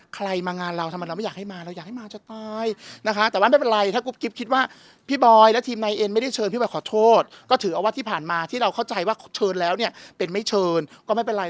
ใครมางานเราทำไมเราไม่อยากให้มาเรายังอยากให้มาชันตาย